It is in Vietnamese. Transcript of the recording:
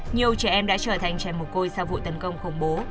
nhiều trẻ em đã trở thành trẻ mồ côi sau vụ tấn công khủng bố